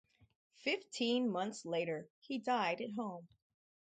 Fifteen months later, he died at home.